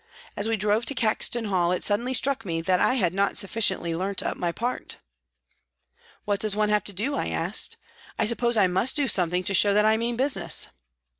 As we drove to Caxton Hall, it suddenly struck me that I had not sufficiently learnt up my part. " What does one have to do ?" I asked. " I suppose I must do something to show that I mean business."